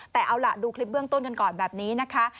แต่เอาล่ะดูคลิปเบื้องต้นกันก่อนแบบนี้นะคะ